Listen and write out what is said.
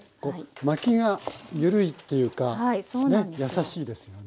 巻きが緩いっていうか優しいですよね。